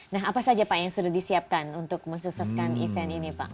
nah apa saja pak yang sudah disiapkan untuk mensukseskan event ini pak